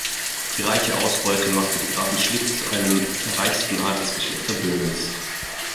Die reiche Ausbeute machte die Grafen Schlick zu einem der reichsten Adelsgeschlechter Böhmens.